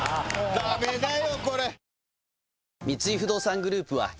ダメだよこれ。